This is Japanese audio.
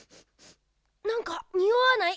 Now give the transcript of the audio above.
なんかにおわない？